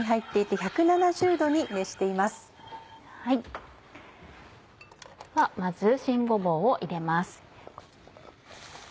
ではまず新ごぼうを入れます。